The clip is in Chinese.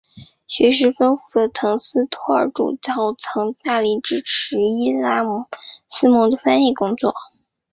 学识丰富的滕斯托尔主教曾大力支持伊拉斯谟的翻译工作。